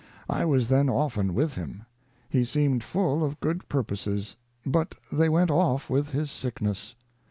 I was then often with him. He seemed full of good purposes, but they went off with his sickness.